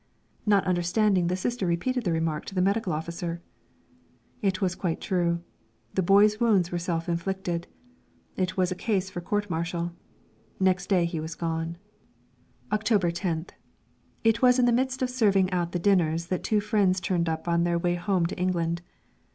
Not understanding, the Sister repeated the remark to the Medical Officer. It was quite true. The boy's wounds were self inflicted. It was a case for court martial. Next day he was gone. October 10th. It was in the midst of serving out the dinners that two friends turned up on their way home to England.